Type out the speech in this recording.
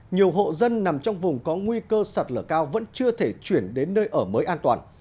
nhiều hộ dân nằm trong vùng có nguy cơ sạt lở cao vẫn chưa thể chuyển đến nơi ở mới an toàn